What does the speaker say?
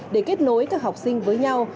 để kết nối các học sinh với nhau